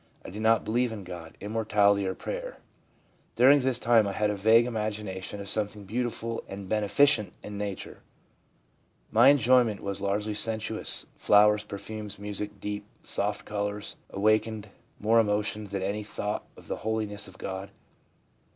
I did not believe in God, immortality or prayer. During this time I had a vague imagination of something beautiful and beneficent in nature. My enjoyment was largely sensuous ; flowers, perfumes, music, deep, soft colours, awakened more emotion than any thought of the holiness of God.'